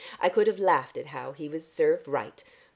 I could have laughed at how he was served right.